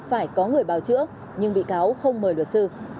phải có người báo chữa nhưng bị cáo không mời luật sư